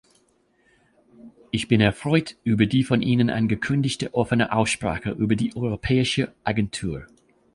Ich bin erfreut über die von Ihnen angekündigte offene Aussprache über die europäische Agentur.